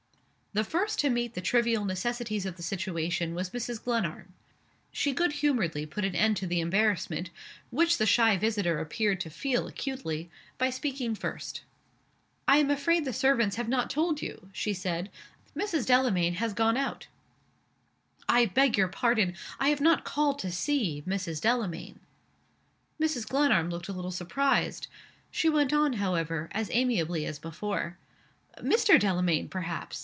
The first to meet the trivial necessities of the situation was Mrs. Glenarm. She good humoredly put an end to the embarrassment which the shy visitor appeared to feel acutely by speaking first. "I am afraid the servants have not told you?" she said. "Mrs. Delamayn has gone out." "I beg your pardon I have not called to see Mrs. Delamayn." Mrs. Glenarm looked a little surprised. She went on, however, as amiably as before. "Mr. Delamayn, perhaps?"